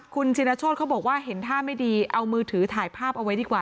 คุณชินโชธเขาบอกว่าเห็นท่าไม่ดีเอามือถือถ่ายภาพเอาไว้ดีกว่า